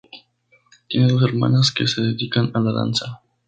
Tiene dos hermanas que se dedican a la danza.